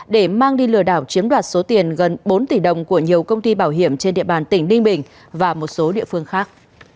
để mang đi lừa đảo chiếm đoạt số tiền gần bốn tỷ đồng của nhiều công ty bảo hiểm trên địa bàn tỉnh ninh bình và một số địa phương khác